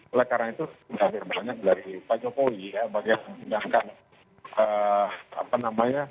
oleh karena itu terima kasih banyak dari pak jokowi bagian mengundangkan